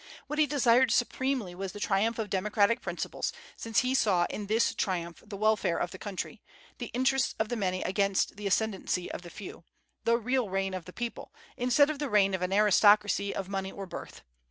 What he desired supremely was the triumph of democratic principles, since he saw in this triumph the welfare of the country, the interests of the many against the ascendency of the few, the real reign of the people, instead of the reign of an aristocracy of money or birth.